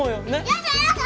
やだやだ！